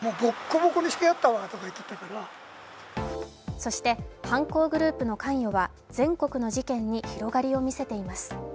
そして犯行グループの関与は全国の事件に広がりをみせています。